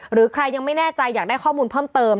หรือใครยังไม่แน่ใจอยากได้ข้อมูลเพิ่มเติม